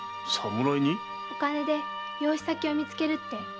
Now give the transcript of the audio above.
お金で養子先を見つけるって。